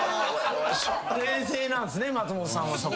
冷静なんすね松本さんはそこ。